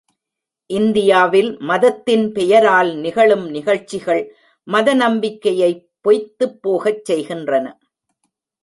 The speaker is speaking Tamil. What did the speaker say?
இந்தியாவில் மதத்தின் பெயரால் நிகழும் நிகழ்ச்சிகள் மத நம்பிக்கையைப் பொய்த்துப் போகச் செய்கின்றன.